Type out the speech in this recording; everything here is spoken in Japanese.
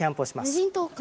無人島か。